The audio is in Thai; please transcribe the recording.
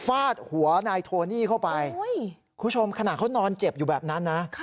ฟาดหัวนายโทนี่เข้าไปคุณผู้ชมขณะเขานอนเจ็บอยู่แบบนั้นนะ